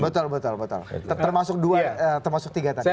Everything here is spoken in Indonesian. betul betul termasuk dua termasuk tiga tadi